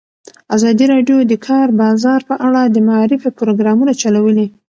ازادي راډیو د د کار بازار په اړه د معارفې پروګرامونه چلولي.